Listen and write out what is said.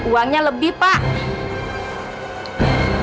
uangnya lebih pak